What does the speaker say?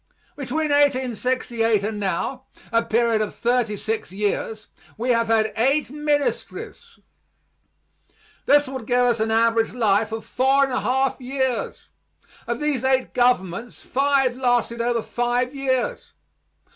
Between 1868 and now a period of thirty six years we have had eight ministries. This would give an average life of four and a half years. Of these eight governments five lasted over five years.